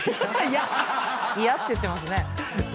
「いや」って言ってますね。